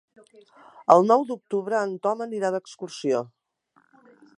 El nou d'octubre en Tom anirà d'excursió.